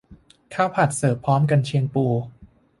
ข้าวผัดเสิร์ฟพร้อมกรรเชียงปู